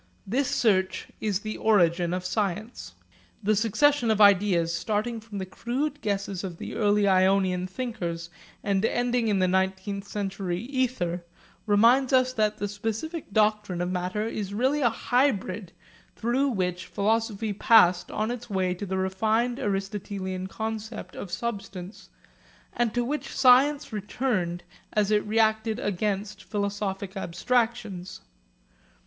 This search is the origin of science. The succession of ideas starting from the crude guesses of the early Ionian thinkers and ending in the nineteenth century ether reminds us that the scientific doctrine of matter is really a hybrid through which philosophy passed on its way to the refined Aristotelian concept of substance and to which science returned as it reacted against philosophic abstractions.